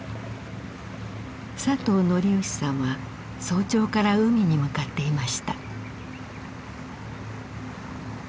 佐藤徳義さんは早朝から海に向かっていました。